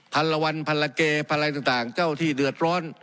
พันละวันพันละเกพันอะไรต่างเจ้าที่เดือดร้อน